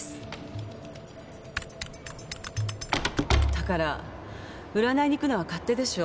だから占いにいくのは勝手でしょ。